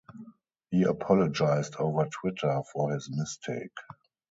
He apologized over Twitter for his mistake.